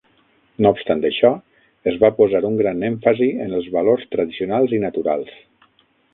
No obstant això, es va posar un gran èmfasi en els valors tradicionals i "naturals".